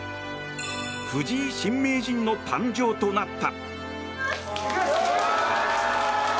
藤井新名人の誕生となった。